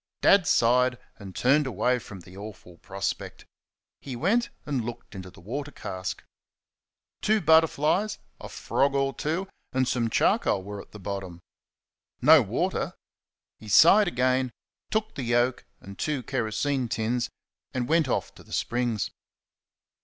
Dad sighed and turned away from the awful prospect. He went and looked into the water cask. Two butterflies, a frog or two, and some charcoal were at the bottom. No water. He sighed again, took the yoke and two kerosene tins, and went off to the springs.